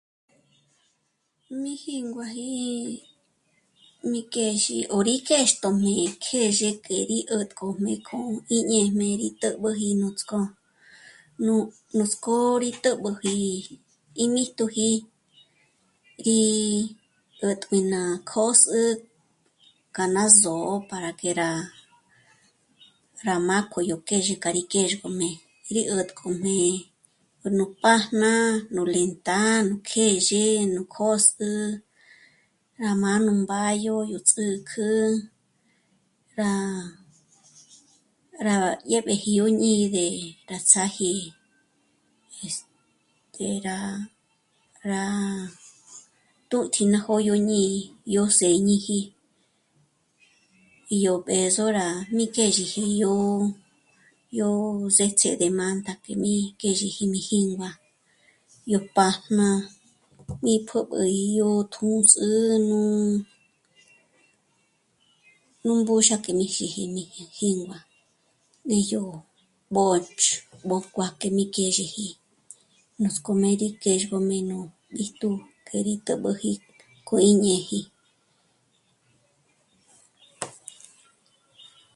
Mí jínguaji mí kjèzhi o rí kjéxto mí kjèzhe k'e rí 'ä̀tkojmé k'o í ñéjm'e rí t'ä̀b'äji nuts'k'ó. Nú, nuts'k'ó rí t'ä̀b'äji í míjtuji rí 'ä̀tm'i ná kö̌s'ü k'a ná só'o para que rá, rá jmá'a k'o yó kjèzhi k'a rí kjéxgojmé rí 'ä̀tkojmé nú pájna, nú lentá'a kjèzhe, nú kö̌s'ü, rá má'a nú mbáyo, yó ts'ä̌kjü, rá, rá dyéb'eji rú jñí'i ndé rá ts'áji, este... rá, rá t'ú'tji ná jó'o yó jñí'i, yó sěñiji, yó b'ë̌zo rá mí kjèzheji yó, yó ts'éts'e ndé má ndákim'i kjèzheji mí jíngua yó pájna, mí pjö́b'üji yó tjū̌s'ü, nú, nú mbúxájkim'iji mí jíngua, ngéjyo mbǒtx' mbójkuákim'í kjèzheji, nuts'k'ojmé rí kjèzhojmé nú b'íjtu k'e rí t'ä̀b'äji k'o í ñéji